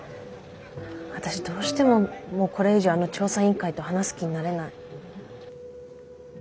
私どうしてももうこれ以上あの調査委員会と話す気になれない。